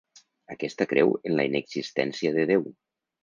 Aquesta creu en la inexistència de Déu.